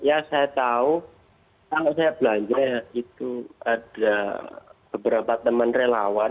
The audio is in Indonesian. ya saya tahu kalau saya belanja itu ada beberapa teman relawan